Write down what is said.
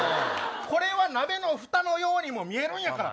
これは鍋の蓋のようにも見えるんやから。